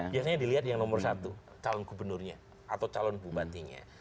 biasanya dilihat yang nomor satu calon gubernurnya atau calon bupatinya